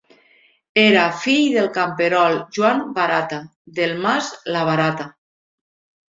Era fill del camperol Joan Barata, del mas la Barata.